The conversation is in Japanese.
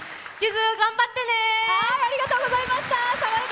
頑張ってね！